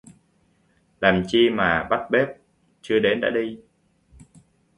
Làm chi mà bắt bết chưa đến đã đi